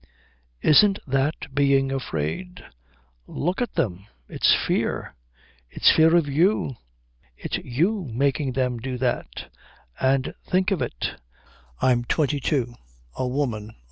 "Isn't that being afraid? Look at them. It's fear. It's fear of you. It's you making them do that. And think of it I'm twenty two. A woman.